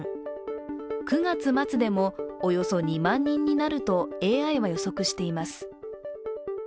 ９月末でもおよそ２万人になると、ＡＩは予測しています。